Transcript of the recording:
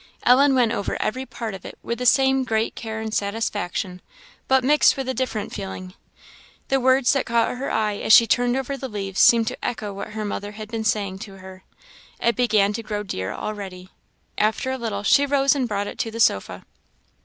Ellen went over every part of it with the same great care and satisfaction but mixed with a different feeling. The words that caught her eye as she turned over the leaves seemed to echo what her mother had been saying to her. It began to grow dear already. After a little she rose and brought it to the sofa.